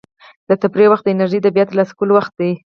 د تفریح وخت د انرژۍ د بیا ترلاسه کولو وخت دی.